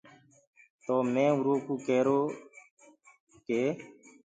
تو مينٚ اُرو ڪوُ ڪيرو ڪي